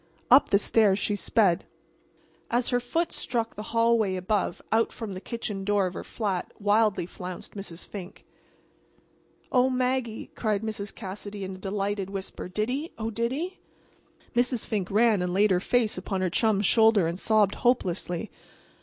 Up the stairs she sped. As her foot struck the hallway above out from the kitchen door of her flat wildly flounced Mrs. Fink. "Oh, Maggie," cried Mrs. Cassidy, in a delighted whisper; "did he? Oh, did he?" Mrs. Fink ran and laid her face upon her chum's shoulder and sobbed hopelessly.